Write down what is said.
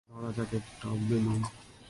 ধরা যাক, একটা বেলুন।